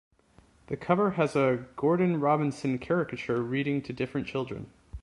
The cover has a Gordon Robinson caricature reading to different children.